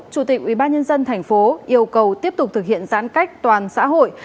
chủ tịch ubnd tp yêu cầu tiếp tục thực hiện giãn cách toàn xã hội